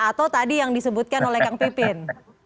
atau tadi yang disebutkan oleh kang pipin